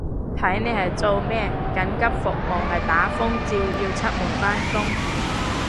睇你係做咩，緊急服務係打風照要出門返工